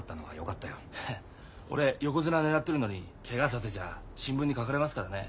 俺横綱狙ってるのにケガさせちゃ新聞に書かれますからね。